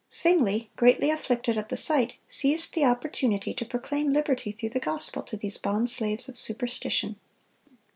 Zwingle, greatly afflicted at the sight, seized the opportunity to proclaim liberty through the gospel to these bond slaves of superstition.